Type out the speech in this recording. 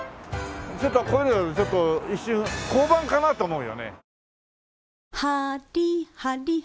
ちょっとこういうの一瞬交番かなと思うよね。